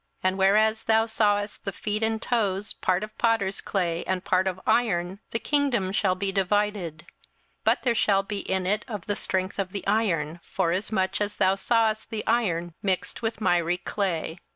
27:002:041 And whereas thou sawest the feet and toes, part of potters' clay, and part of iron, the kingdom shall be divided; but there shall be in it of the strength of the iron, forasmuch as thou sawest the iron mixed with miry clay.